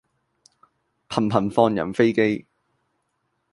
頻頻放人飛機